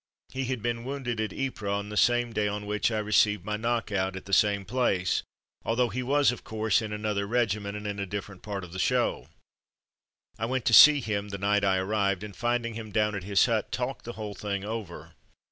He had been wounded at Ypres on the same day on which I received my ^* knock out'^ at the same place, although he was, of course, in another regiment and in a different part of the show. I went to see him the night I arrived, and finding him down at his hut, talked the whole thing over.